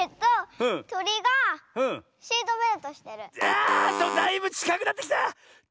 あだいぶちかくなってきた！